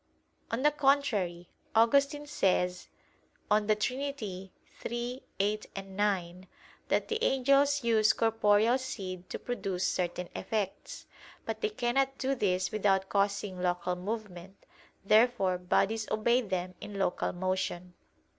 On the contrary, Augustine says (De Trin. iii, 8,9) that the angels use corporeal seed to produce certain effects. But they cannot do this without causing local movement. Therefore bodies obey them in local motion.